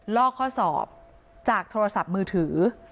ลอกข้อสอบจากโทรศัพท์มือถือ